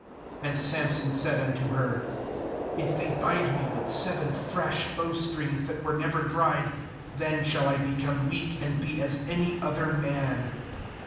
3 7And Samson said unto her: 'If they bind me with seven fresh bowstrings that were never dried, then shall I become weak, and be as any other man.'